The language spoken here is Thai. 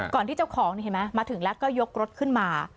ที่เจ้าของนี่เห็นไหมมาถึงแล้วก็ยกรถขึ้นมา